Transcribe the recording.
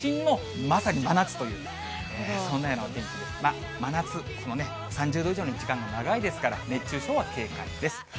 これが都心のまさに真夏という、そんなようなお天気、真夏、３０度以上の時間が長いですから、熱中症は警戒です。